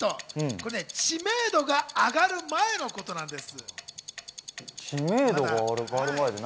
知名度が上がる前のことです。